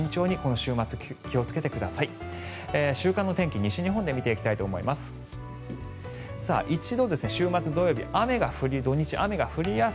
週間の天気、西日本で見ていきたいと思います。